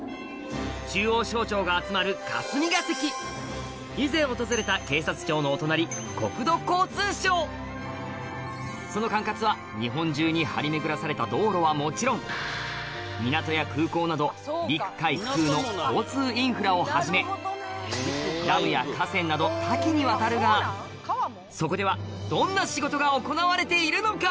中央省庁が集まる以前訪れた警察庁のお隣国土交通省その管轄は日本中に張り巡らされた道路はもちろん港や空港などをはじめダムや河川など多岐にわたるがそこではどんな仕事が行われているのか？